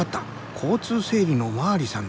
交通整理のお巡りさんだ。